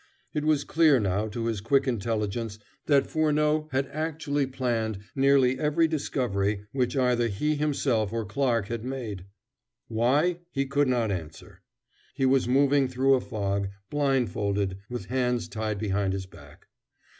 It was clear now to his quick intelligence that Furneaux had actually planned nearly every discovery which either he himself or Clarke had made. Why? He could not answer. He was moving through a fog, blind folded, with hands tied behind his back.